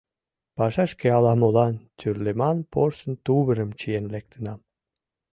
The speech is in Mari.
Пашашке ала-молан тӱрлыман порсын тувырым чиен лектынам.